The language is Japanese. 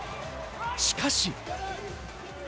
しかし。